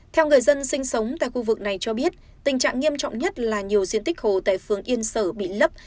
theo người dân sinh sống tại khu vực này cho biết tình trạng nghiêm trọng nhất là nhiều diện tích hồ tại phường yên sở bị lấp